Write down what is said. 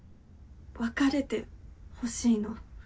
別れて欲しいの。